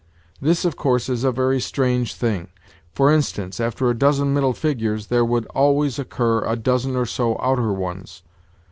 This, of course, is a very strange thing. For instance, after a dozen middle figures there would always occur a dozen or so outer ones.